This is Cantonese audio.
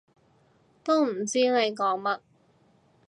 都唔知你講乜